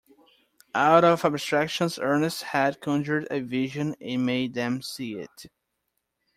Out of abstractions Ernest had conjured a vision and made them see it.